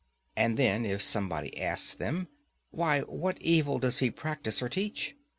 —and then if somebody asks them, Why, what evil does he practise or teach?